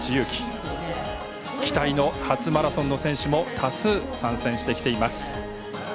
期待の初マラソンの選手も多数参戦してきています。